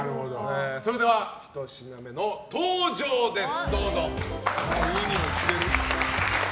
それでは１品目の登場です。